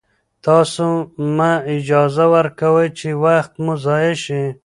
تاسو مه اجازه ورکوئ چې وخت مو ضایع شي.